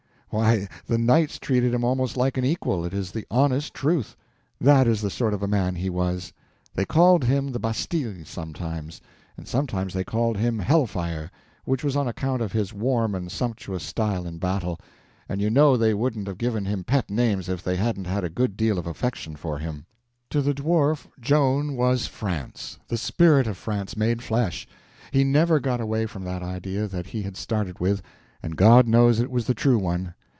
Why, the knights treated him almost like an equal—it is the honest truth; that is the sort of a man he was. They called him the Bastille sometimes, and sometimes they called him Hellfire, which was on account of his warm and sumptuous style in battle, and you know they wouldn't have given him pet names if they hadn't had a good deal of affection for him. To the Dwarf, Joan was France, the spirit of France made flesh—he never got away from that idea that he had started with; and God knows it was the true one.